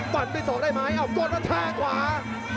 ตันไปสอบได้ไหมอ้าวกดมาแทงขวา